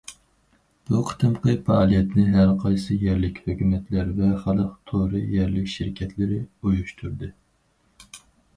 بۇ قېتىمقى پائالىيەتنى ھەر قايسى يەرلىك ھۆكۈمەتلەر ۋە خەلق تورى يەرلىك شىركەتلىرى ئۇيۇشتۇردى.